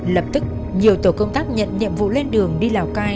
lập tức nhiều tổ công tác nhận nhiệm vụ lên đường đi lào cai